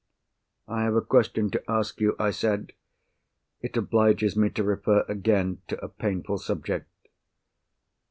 "I have a question to ask you," I said. "It obliges me to refer again to a painful subject.